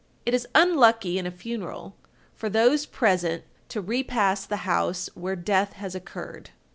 It is unlucky in a funeral, for those present to repass the house where death has occurred.